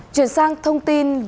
chuyển sang thông tin